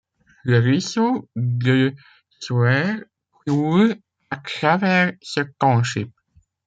Le ruisseau de Sewer coule à travers ce township.